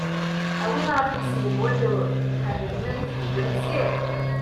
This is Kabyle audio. A win ɣef yeshel walluy, ḥader iman-ik di trusi!